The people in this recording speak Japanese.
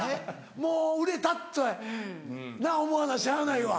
もう売れたってな思わなしゃあないわ。